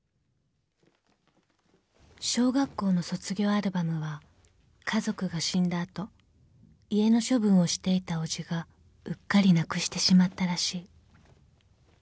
［小学校の卒業アルバムは家族が死んだ後家の処分をしていた伯父がうっかりなくしてしまったらしい］